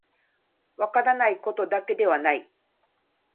分からないことだけではない